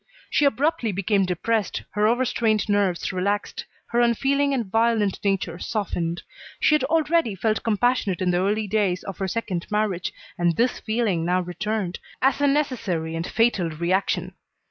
She abruptly became depressed, her overstrained nerves relaxed, her unfeeling and violent nature softened. She had already felt compassionate in the early days of her second marriage, and this feeling now returned, as a necessary and fatal reaction.